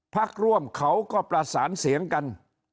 พักร่วมเขาก็ประสานเสียงกัน